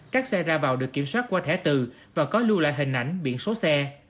các xe ra vào được kiểm soát qua thẻ từ và có lưu lại hình ảnh biển số xe